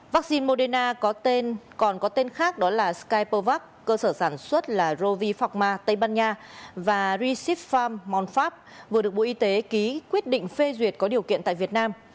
vaccine moderna còn có tên khác đó là skypovac cơ sở sản xuất là rovifarma tây ban nha và recipfarm monfap vừa được bộ y tế ký quyết định phê duyệt có điều kiện tại việt nam